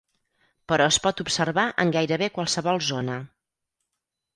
Però es pot observar en gairebé qualsevol zona.